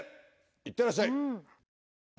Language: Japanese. いってらっしゃい。